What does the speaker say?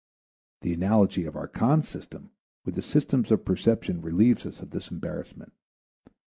The analogy of our Cons. system with the systems of perception relieves us of this embarrassment.